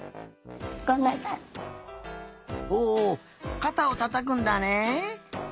おかたをたたくんだね。